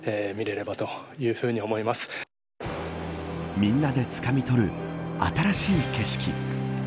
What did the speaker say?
みんなでつかみ取る新しい景色。